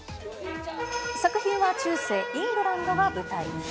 作品は中世、イングランドが舞台。